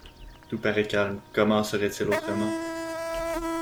Tout parait calme, comment en serait-il autrement?